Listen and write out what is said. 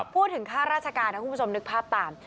พูดถึงค่าราชการนะคุณผู้ชมนึกภาพตาม